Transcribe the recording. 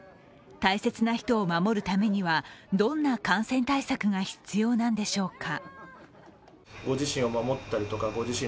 大切な人を守るためにはどんな感染対策が必要なんでしょうか。